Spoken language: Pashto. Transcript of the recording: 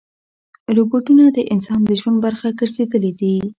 روبوټونه د انسان د ژوند برخه ګرځېدلي دي.